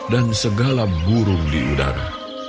dan segala burung di udara